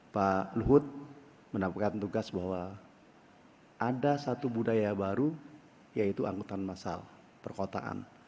pak luhut mendapatkan tugas bahwa ada satu budaya baru yaitu angkutan massal perkotaan